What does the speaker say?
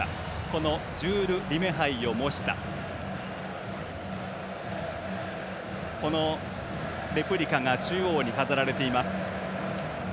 このジュール・リメ杯を模したレプリカが中央に飾られています。